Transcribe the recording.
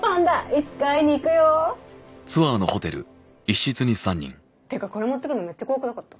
いつか会いにいくよっていうかこれ持ってくんのめっちゃ怖くなかった？